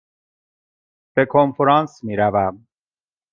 به کنفرانس می روم.